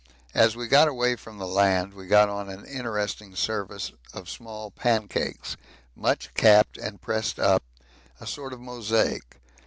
As we got away from the land we got on an interesting surface of small pancakes, much capped and pressed up, a sort of mosaic.